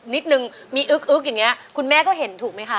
นิดนึงมีอึ๊กอย่างนี้คุณแม่ก็เห็นถูกไหมคะ